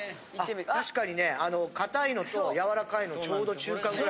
あ確かにね硬いのとやわらかいのちょうど中間ぐらい。